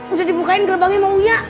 udah dibukain gelbangnya sama uya